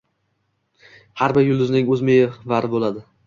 Har bir yulduzning o’z mehvari bo’ladi.